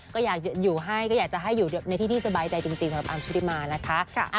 ก็อยากจะให้อยู่ในที่ที่สบายใจจริงสำหรับอามชุดิมานะคะ